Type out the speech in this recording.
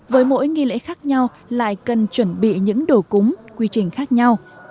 với mỗi nghi lễ khác nhau lại cần chuẩn bị những đồ cúng quy trình khác nhau